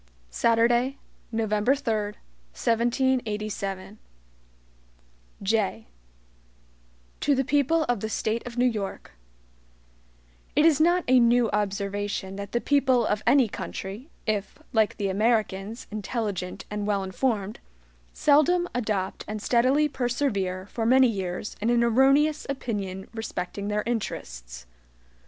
Saturday, November 3, 1787 JAY To the People of the State of New York: IT IS not a new observation that the people of any country (if, like the Americans, intelligent and wellinformed) seldom adopt and steadily persevere for many years in an erroneous opinion respecting their interests.